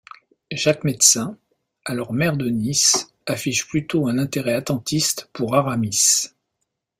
Jacques Médecin, alors maire de Nice, affiche plutôt un intérêt attentiste pour Aramis.